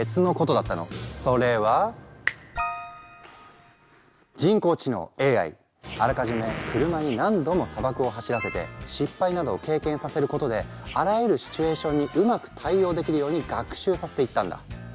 それはあらかじめ車に何度も砂漠を走らせて失敗などを経験させることであらゆるシチュエーションにうまく対応できるように学習させていったんだ。